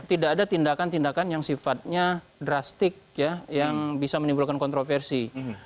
tidak ada tindakan tindakan yang sifatnya drastik ya yang bisa menimbulkan kontroversi